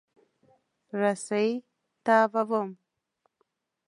رسۍ تاووم.